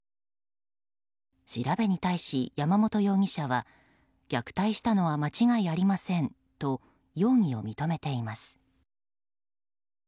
調べに対し、山本容疑者は虐待したのは間違いありませんと容疑を認めています。